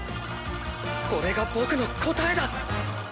これが僕の答えだ！